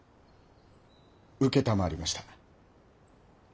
承りました。